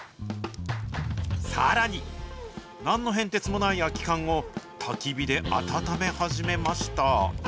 さらに、なんの変哲もない空き缶をたき火で温め始めました。